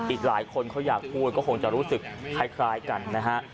อีกหลายคนเขาอยากพูดก็คงจะรู้สึกคล้ายกันนะฮะ